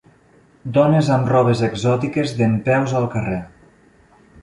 Dones amb robes exòtiques dempeus al carrer